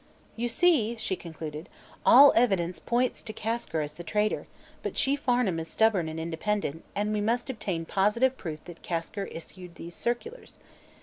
"You see," she concluded, "all evidence points to Kasker as the traitor; but Chief Farnum is stubborn and independent, and we must obtain positive proof that Kasker issued those circulars.